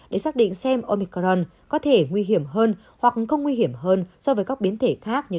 để xác định xem omicron có thể nguy hiểm hơn hoặc không nguy hiểm hơn so với các biến thể khác như